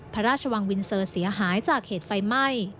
พระราชวังวินเซอร์เสียหายจากเหตุไฟไหม้